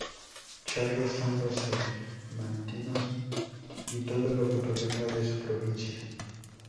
Charros son los salmantinos y todo lo que provenga de su provincia.